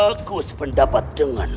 aku sependapat dengan